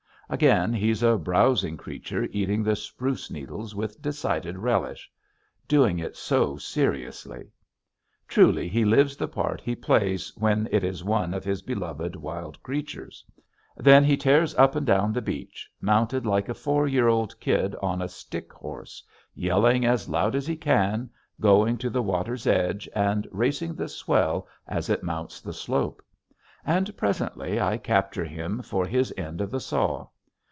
Again he's a browsing creature eating the spruce needles with decided relish, doing it so seriously. Truly he lives the part he plays when it is one of his beloved wild creatures. Then he tears up and down the beach mounted like a four year old kid on a stick horse, yelling as loud as he can, going to the water's edge, and racing the swell as it mounts the slope. And presently I capture him for his end of the saw.